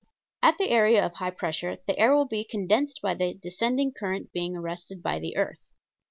At the area of high pressure the air will be condensed by the descending current being arrested by the earth.